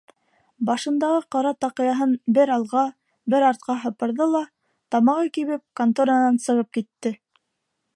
Башындағы ҡара таҡыяһын бер алға, бер артҡа һыпырҙы ла, тамағы кибеп, конторанан сығып китте.